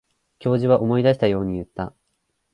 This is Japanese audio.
教授は思い出したように言った。